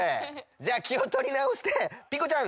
じゃあきをとりなおしてピコちゃん